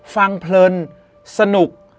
ฟังเพลินสนุก